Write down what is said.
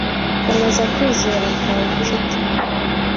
Komeza kwizera kwawe nshuti